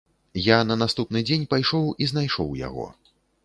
Я на наступны дзень пайшоў і знайшоў яго.